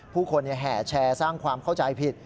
ผู้คนแห่แชร์สร้างความเข้าใจผิด